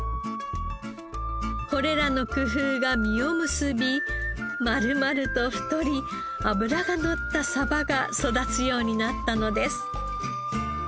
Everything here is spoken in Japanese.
これらの工夫が実を結び丸々と太り脂がのったサバが育つようになったのです。